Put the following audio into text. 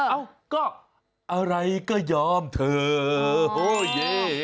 เอ้าก็อะไรก็ยอมเถอะ